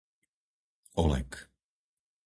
Oleg